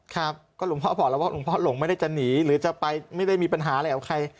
ครับก็หลวงพ่อบอกแล้วว่าหลวงพ่อหลงไม่ได้จะหนีหรือจะไปไม่ได้มีปัญหาอะไรกับใคร